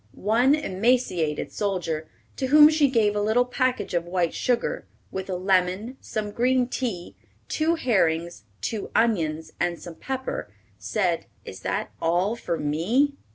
One emaciated soldier, to whom she gave a little package of white sugar, with a lemon, some green tea, two herrings, two onions, and some pepper, said, "Is that all for me?"